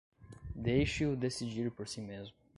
Deixe-o decidir por si mesmo